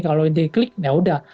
kalau diklik yaudah